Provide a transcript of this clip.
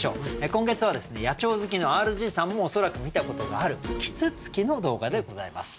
今月は野鳥好きのＲＧさんも恐らく見たことがある啄木鳥の動画でございます。